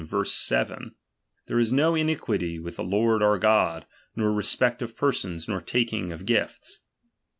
7 : There is no ini quity with the Lord our God, nor respect of per sons, nor taking of gifts.